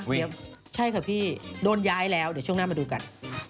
เดี๋ยวใช่ค่ะพี่โดนย้ายแล้วเดี๋ยวช่วงหน้ามาดูกัน